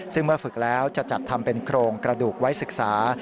ซึ่งเมื่อฝึกแล้วจะจัดทำเป็นโครงกระดูกไว้ศึกษา